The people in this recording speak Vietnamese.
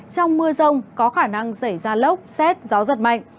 có khả năng xảy ra lốc xét gió giật mạnh